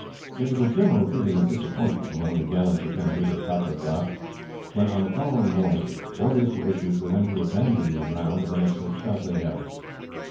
There was a general feeling of disappointment among the gallant defenders of Quatre Bras when on the following morning orders were issued for them to abandon the ground they had so stoutly held.